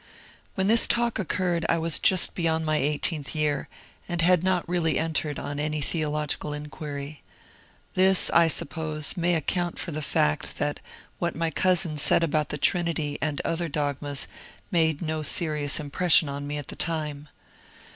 When this talk occurred I was just beyond my eighteenth year, and had not really entered on any theological inquiry. This I suppose may account for the fact that what my cousin said about the Trinity and other dogmas made no serious impression on me at the time.